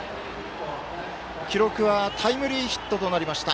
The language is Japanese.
記録はタイムリーヒットとなりました。